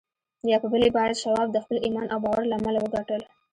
يا په بل عبارت شواب د خپل ايمان او باور له امله وګټل.